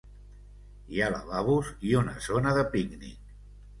Hi ha lavabos i una zona de pícnic.